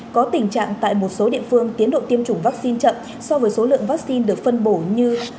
có tình trạng tại một số địa phương tiến độ tiêm chủng vaccine chậm so với số lượng vaccine được phân bổ như